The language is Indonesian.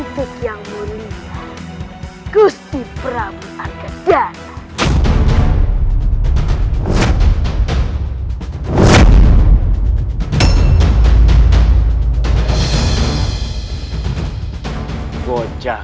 terima kasih gusti prabu